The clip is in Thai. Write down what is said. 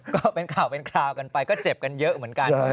ก็เป็นข่าวเป็นคราวกันไปก็เจ็บกันเยอะเหมือนกัน